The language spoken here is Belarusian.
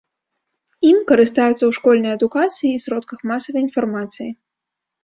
Ім карыстаюцца ў школьнай адукацыі і сродках масавай інфармацыі.